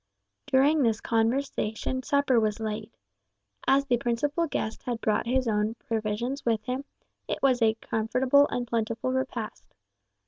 During this conversation supper was laid. As the principal guest had brought his own provisions with him, it was a comfortable and plentiful repast.